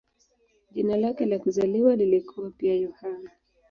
Jina lake la kuzaliwa lilikuwa pia "Yohane".